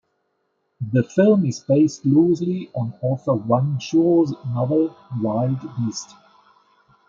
The film is based loosely on author Wang Shuo's novel "Wild Beast".